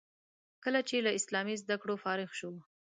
کله چې له اسلامي زده کړو فارغ شو.